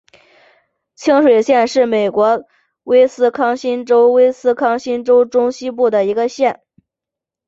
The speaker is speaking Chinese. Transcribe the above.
清水县是美国威斯康辛州威斯康辛州中西部的一个县。